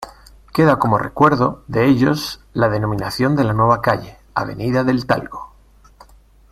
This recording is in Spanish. Queda como recuerdo de ellos la denominación de la nueva calle, Avenida del Talgo.